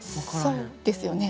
そうですよね。